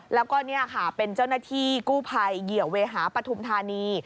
แล้วก็นี่ค่ะเป็นเจ้าหน้าที่กู้ภัยเหยื่อเวหาปฐุมธานี